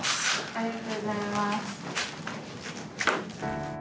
ありがとうございます。